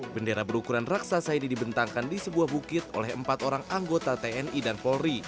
bendera berukuran raksasa ini dibentangkan di sebuah bukit oleh empat orang anggota tni dan polri